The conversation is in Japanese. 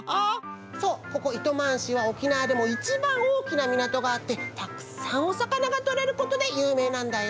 そうここ糸満市は沖縄でもいちばんおおきなみなとがあってたくさんおさかながとれることでゆうめいなんだよ。